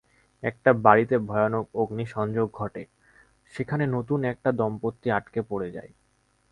একটা বাড়িতে ভয়ানক অগ্নি সংযোগ ঘটে, যেখানে নতুন একটা দম্পতি আটকা পড়ে যায়।